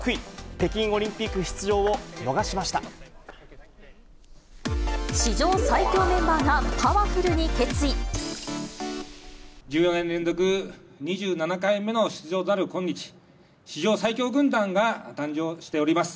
北京オリンピック出場を逃しまし史上最強メンバーがパワフル１４年連続２７回目の出場となる今日、史上最強軍団が誕生しております。